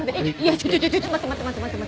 ちょちょちょちょ待って待って待って待って。